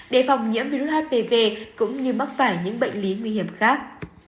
đề phòng nhiễm virus hpv cũng như mắc phải những bệnh lý nguy hiểm khác